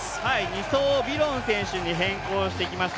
２走をビロン選手に変更してきました。